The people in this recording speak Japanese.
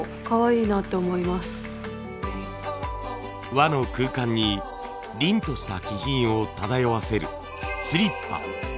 和の空間に凛とした気品を漂わせるスリッパ。